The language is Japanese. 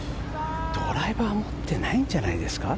ドライバー持ってないんじゃないですか？